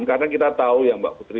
karena kita tahu ya mbak putri